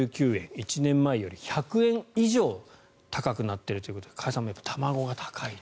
１年前より１００円以上高くなっているということで加谷さん、卵が高いと。